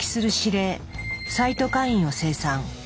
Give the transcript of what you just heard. サイトカインを生産。